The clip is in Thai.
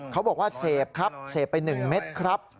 เขาบอกว่าเสพครับเสพไป๑เม็ดครับ